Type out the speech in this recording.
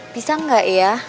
bisa enggak ya